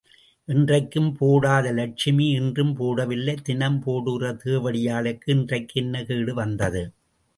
என்றைக்கும் போடாத லட்சுமி இன்றும் போடவில்லை தினம் போடுகிற தேவடியாளுக்கு இன்றைக்கு என்ன கேடு வந்தது?